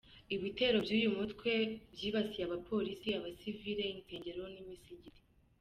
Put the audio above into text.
Ibitero by’uyu mutwe byibasiye abapolisi, abasivile, insengero n’imisigiti.